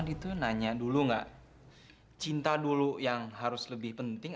dia tuh nanya dulu ga cinta dulu yang harus lebih penting